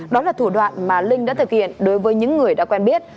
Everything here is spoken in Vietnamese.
đó là thủ đoạn mà linh đã thực hiện đối với những người đã quen biết